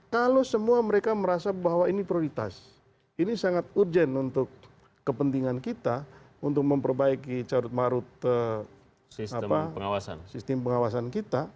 kalau semua mereka merasa bahwa ini prioritas ini sangat urgent untuk kepentingan kita untuk memperbaiki carut marut sistem pengawasan kita